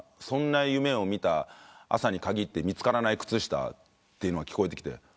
「そんな夢を見た朝に限って見つからない靴下」というのが聞こえてきて。